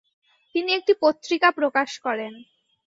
তিনি একটি পত্রিকা প্রকাশ করেন।